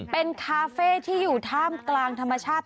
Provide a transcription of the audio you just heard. เป็นคาเฟ่ที่อยู่ท่ามกลางธรรมชาติ